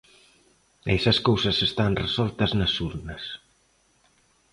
E esas cousas están resoltas nas urnas.